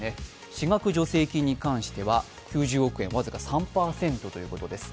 私学助成金に関しては９０億円、僅か３％ということです。